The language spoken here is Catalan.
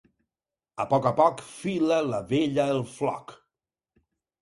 A poc a poc fila la vella el floc.